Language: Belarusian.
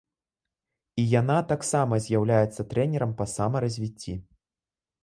І яна таксама з'яўляецца трэнерам па самаразвіцці!